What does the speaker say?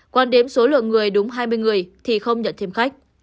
còn đếm số lượng người đúng hai mươi người thì không nhận thêm khách